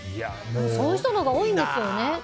そういう人のほうが多いんですよね。